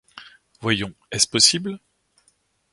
Voyons, est-ce possible ?…